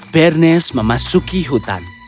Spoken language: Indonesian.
bernice memasuki hutan